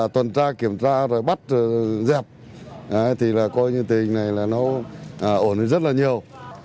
toàn tra kiểm tra bắt dẹp thì tình hình này ổn rất nhiều